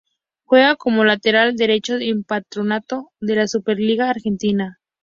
Juega como lateral derecho en Patronato de la Superliga Argentina.